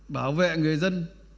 bảo vệ người dân